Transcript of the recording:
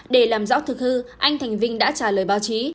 để làm rõ thực hư anh thành vinh đã trả lời báo chí